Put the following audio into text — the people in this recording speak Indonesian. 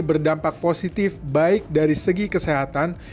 berdampak positif baik dari segi kesehatan